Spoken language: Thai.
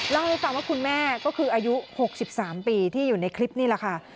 เล่าให้ฟังว่าคุณแม่ก็คืออายุ๖๓ปีที่อยู่ในคลิปนี่แหละค่ะ